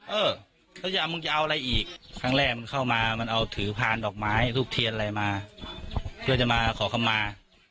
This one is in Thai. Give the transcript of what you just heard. เออแล้วมึงจะเอาอะไรอีกครั้งแรกมึงเข้ามามันเอาถือพานดอกไม้ทูบเทียนอะไรมาเพื่อจะมาขอคำมา